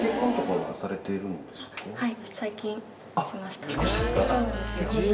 はい。